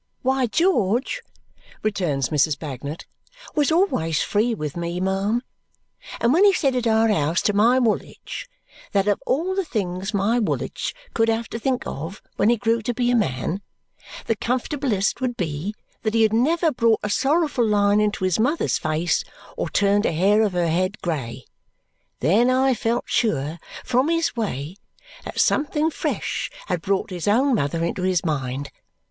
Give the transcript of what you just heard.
"Why, George," returns Mrs. Bagnet, "was always free with me, ma'am, and when he said at our house to my Woolwich that of all the things my Woolwich could have to think of when he grew to be a man, the comfortablest would be that he had never brought a sorrowful line into his mother's face or turned a hair of her head grey, then I felt sure, from his way, that something fresh had brought his own mother into his mind.